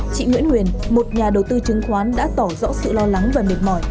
chị nguyễn huyền một nhà đầu tư chứng khoán đã tỏ rõ sự lo lắng và mệt mỏi